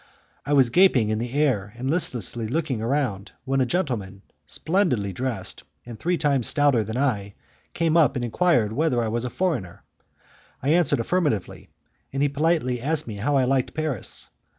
I was gaping in the air and listlessly looking round, when a gentleman, splendidly dressed, and three times stouter than I, came up and enquired whether I was a foreigner. I answered affirmatively, and he politely asked me how I liked Paris.